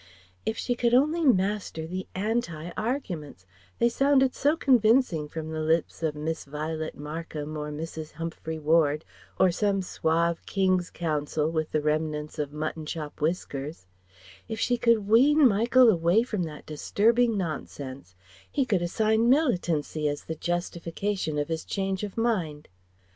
If she could only master the "Anti" arguments they sounded so convincing from the lips of Miss Violet Markham or Mrs. Humphry Ward or some suave King's Counsel with the remnants of mutton chop whiskers if she could wean Michael away from that disturbing nonsense he could assign "militancy" as the justification of his change of mind...!